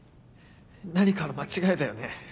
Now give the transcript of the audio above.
何かの間違いだよね？